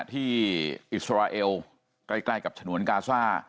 ที่อิสราเอลใกล้กับฉนวนกาซ่า